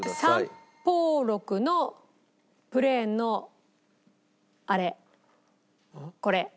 三方六のプレーンのあれこれ。